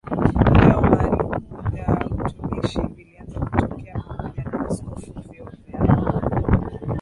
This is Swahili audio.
vyeo maalumu vya utumishi vilianza kutokea Pamoja na Askofu vyeo vya